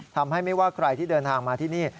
ทำให้ไม่ว่าใครที่เดินทางมาที่นี่